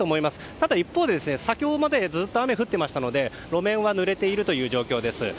ただ一方で先ほどまでずっと雨が降っていたので路面はぬれているという状況です。